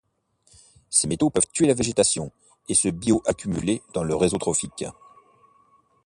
Ces métaux peuvent tuer la végétation et se bioaccumuler dans le réseau trophique.